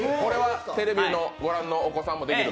テレビをご覧のお子さんもできる？